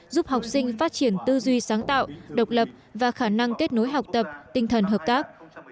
giúp học sinh phát triển tư duy sáng tạo độc lập và khả năng kết nối học tập tinh thần hợp tác